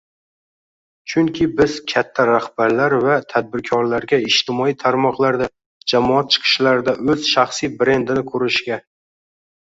chunki biz katta rahbarlar va tadbirkorlarga ijtimoiy tarmoqlarda, jamoat chiqishlarida oʻz shaxsiy brendini qurishiga